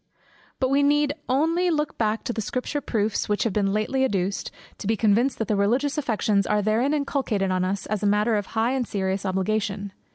But we need only look back to the Scripture proofs which have been lately adduced, to be convinced that the religious affections are therein inculcated on us, as a matter of high and serious obligation.